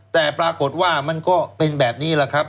แต่ปรากฏว่ามันก็เป็นแบบนี้แหละครับ